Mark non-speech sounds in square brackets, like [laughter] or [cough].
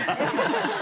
ハハハ [laughs]